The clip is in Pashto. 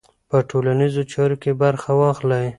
په ټولنیزو چارو کې برخه واخلئ.